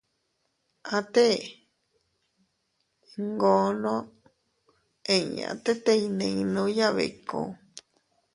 Atee iyngoono inña tete iyninuya biku.